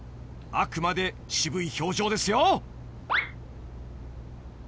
あくまで渋い表情ですよ］